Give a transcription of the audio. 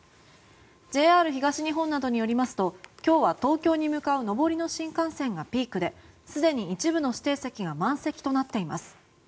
ＪＲ東日本などによりますと今日は東京に向かう上りの新幹線がピークですでに一部の指定席が満席となっています。